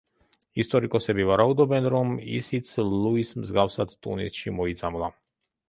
ისტორიკოსები ვარაუდობენ, რომ ისიც ლუის მსგავსად ტუნისში მოიწამლა.